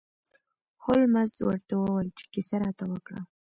هولمز ورته وویل چې کیسه راته وکړه.